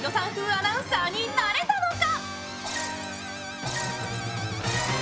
アナウンサーになれたのか？